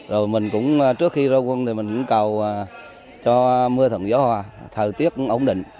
rồi mình cũng trước khi ra quân thì mình cũng cầu cho mưa thuận gió hòa thời tiết cũng ổn định